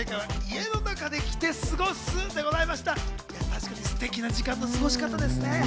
確かにステキな時間の過ごし方ですね。